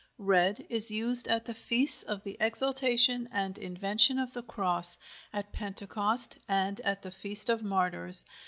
RED is used at the feasts of the Exaltation and Invention of the Cross, at Pentecost, and at the Feast of Martyrs.